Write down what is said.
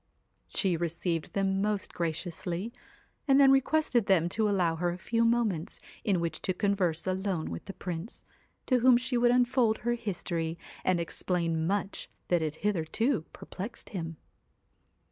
She received them most graciously, and then 220 requested them to allow her a few moments in THE which to converse alone with the Prince, to whom WHITE she would unfold her history, and explain much CAT that had hitherto perplexed him.